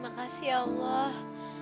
makasih ya allah